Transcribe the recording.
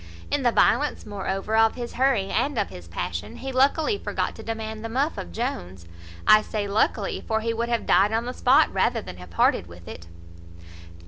In the violence, moreover, of his hurry, and of his passion, he luckily forgot to demand the muff of Jones: I say luckily; for he would have died on the spot rather than have parted with it.